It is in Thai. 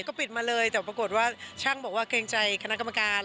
ก็ปิดมาเลยแต่ปรากฏว่าช่างบอกว่าเกรงใจคณะกรรมการ